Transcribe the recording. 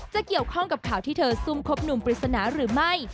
จะเกี่ยวข้องกับข่าวที่เธอซุ่มคบหนุ่มปริศนาหรือไม่